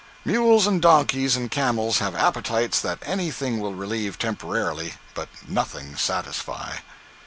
Mules and donkeys and camels have appetites that anything will relieve temporarily, but nothing satisfy.